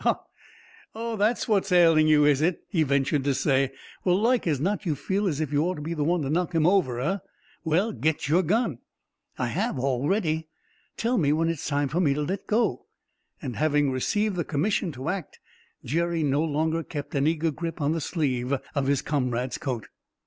"Oh, that's what's ailing you, is it?" he ventured to say. "Like as not you feel as if you ought to be the one to knock him over, eh? Well, get your gun!" "I have, already. Tell me when it's time for me to let go!" And, having received the commission to act, Jerry no longer kept an eager grip on the sleeve of his comrade's coat.